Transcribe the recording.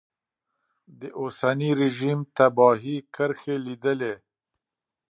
د اوسني رژیم تباهي کرښې لیدلې.